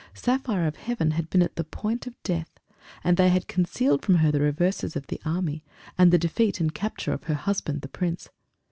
Saphire of Heaven had been at the point of death, and they had concealed from her the reverses of the army, and the defeat and capture of her husband, the Prince.